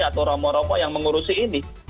atau romo rokok yang mengurusi ini